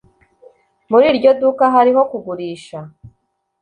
Muri iryo duka hariho kugurisha